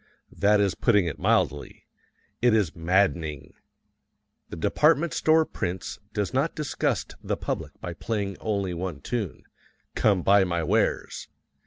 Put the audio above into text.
That is putting it mildly. It is maddening. The department store prince does not disgust the public by playing only the one tune, "Come Buy My Wares!"